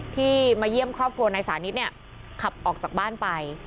ที่มาเยี่ยมครอบครัวนายสานิทขับออกจากบ้านไป